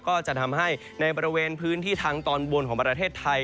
ก็จะทำให้ในบริเวณพื้นที่ทางตอนบนของประเทศไทย